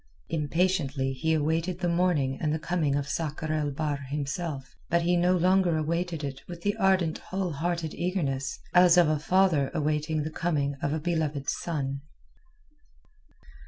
Impatiently he awaited the morning and the coming of Sakr el Bahr himself, but he no longer awaited it with the ardent whole hearted eagerness as of a father awaiting the coming of a beloved son.